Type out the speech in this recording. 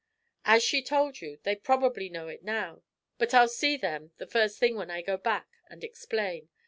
"As she told you, they probably know it now, but I'll see them the first thing when I go back and explain.